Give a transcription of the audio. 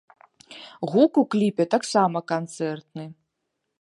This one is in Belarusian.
Гук у кліпе таксама канцэртны.